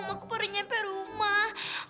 aku baru sampai rumah